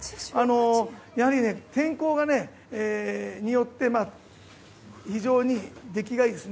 やはり天候によって非常に出来がいいです。